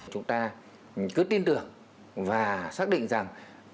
chúng ta cứ tin được và xác định rằng